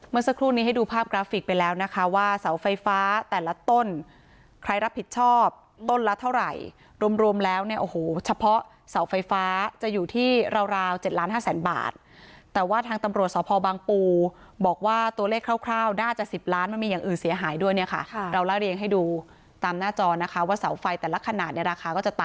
สักครู่นี้ให้ดูภาพกราฟิกไปแล้วนะคะว่าเสาไฟฟ้าแต่ละต้นใครรับผิดชอบต้นละเท่าไหร่รวมรวมแล้วเนี่ยโอ้โหเฉพาะเสาไฟฟ้าจะอยู่ที่ราวราว๗ล้านห้าแสนบาทแต่ว่าทางตำรวจสพบางปูบอกว่าตัวเลขคร่าวน่าจะสิบล้านมันมีอย่างอื่นเสียหายด้วยเนี่ยค่ะเราละเรียงให้ดูตามหน้าจอนะคะว่าเสาไฟแต่ละขนาดเนี่ยราคาก็จะต